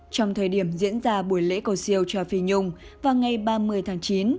trong thời điểm diễn ra buổi lễ cầu siêu cho phi nhung vào ngày ba mươi tháng chín